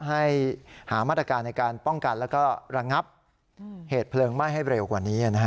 ให้หามาตรการในการป้องกันแล้วก็ระงับเหตุเพลิงไหม้ให้เร็วกว่านี้